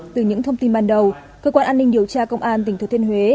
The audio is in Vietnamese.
từ những thông tin ban đầu cơ quan an ninh điều tra công an tỉnh thừa thiên huế